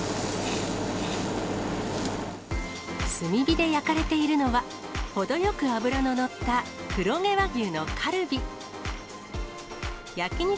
炭火で焼かれているのは、程よく脂の乗った黒毛和牛のカルビ。